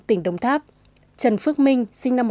tỉnh đồng tháp trần phước minh sinh năm một nghìn chín trăm tám mươi